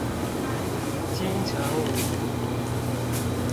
金城武